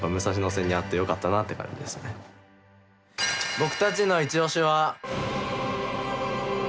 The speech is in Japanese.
僕たちのいちオシは。